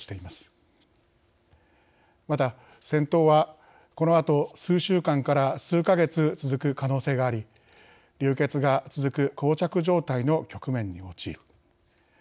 また戦闘は、このあと数週間から数か月続く可能性があり流血が続くこう着状態の局面に陥る。